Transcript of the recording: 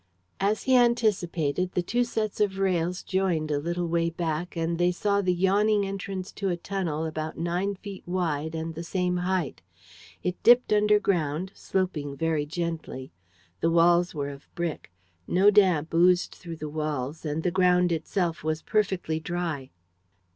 As he anticipated, the two sets of rails joined a little way back and they saw the yawning entrance to a tunnel about nine feet wide and the same height. It dipped under ground, sloping very gently. The walls were of brick. No damp oozed through the walls; and the ground itself was perfectly dry.